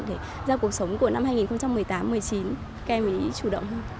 để ra cuộc sống của năm hai nghìn một mươi tám hai nghìn một mươi chín các em ý chủ động hơn